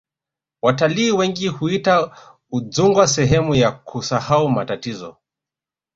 watalii wengi huiita udzungwa sehemu ya kusahau matatizo